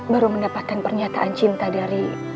baru mendapatkan pernyataan cinta dari